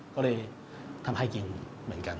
ก็เลยทำให้จริงเหมือนกัน